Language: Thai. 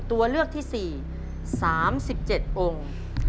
ตัวเลือกที่๔๓๗องค์